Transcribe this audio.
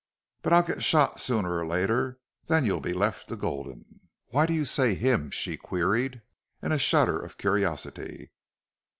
But I'll get shot sooner or later. Then you'll be left to Gulden." "Why do you say HIM?" she queried, in a shudder of curiosity.